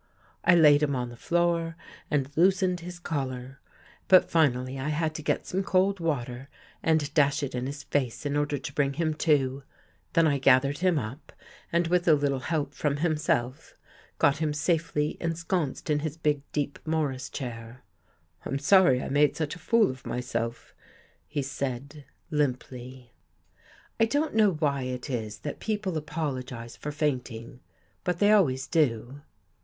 I laid him on the floor and loosened his collar. But finally I had to get some cold water and dash it in his face in order to bring him to. Then I gathered him up, and with a little help from* himself, got him safely ensconced in his big deep Morris chair. " I'm sorry I made such a fool of myself," he said limply. 27 THE GHOST GIRL I don't know why it is that people apologize for fainting, but they always do.